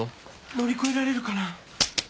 乗り越えられるかな？